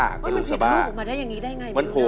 อเจมส์มันผิดรูปมาได้อย่างนี้ได้ไงมันโผล่มา